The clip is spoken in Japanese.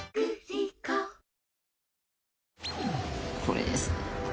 これですね。